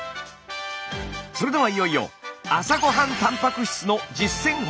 それではいよいよ朝ごはんたんぱく質の実践法！